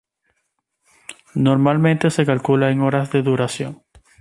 Normalmente se calcula en horas de duración.